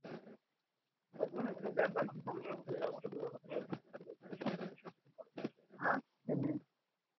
আমি তাঁদের সুবিধা-অসুবিধার কথা শুনতাম, তাঁদের অধিকার সম্পর্কে সচেতন করার চেষ্টা করতাম।